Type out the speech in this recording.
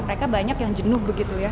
mereka banyak yang jenuh begitu ya